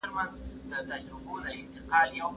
دا ونه له هغه لويه ده!